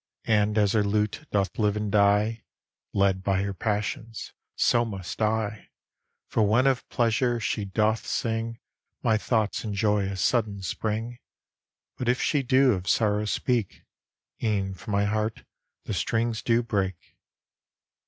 And as her lute doth live and die, Led by her passions, so must I: For when of pleasure she doth sing, My thoughts enjoy a sudden spring; But if she do of sorrow speak, E'en from my heart the strings do break.